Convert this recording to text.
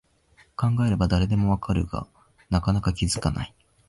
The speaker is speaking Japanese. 考えれば誰でもわかるが、なかなか気づかない